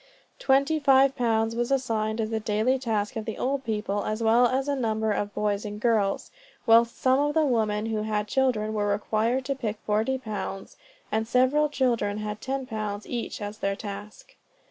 Twenty five pounds was assigned as the daily task of the old people, as well as a number of boys and girls, whilst some of the women, who had children, were required to pick forty pounds, and several children had ten pounds each as their task.